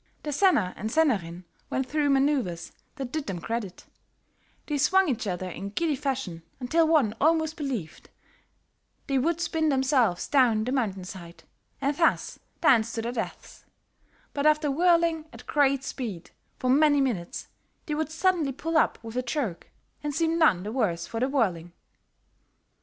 The senner and sennerin went through manoeuvers that did them credit; they swung each other in giddy fashion until one almost believed they would spin themselves down the mountainside, and thus dance to their deaths; but after whirling at great speed for many minutes, they would suddenly pull up with a jerk and seem none the worse for the whirling.